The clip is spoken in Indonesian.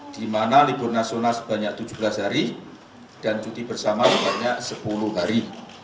di mana libur nasional sebanyak tujuh belas hari dan cuti bersama sebanyak sepuluh hari